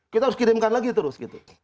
kita harus kirimkan lagi terus gitu